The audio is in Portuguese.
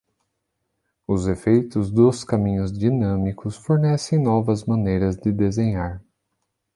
Os efeitos dos caminhos dinâmicos fornecem novas maneiras de desenhar.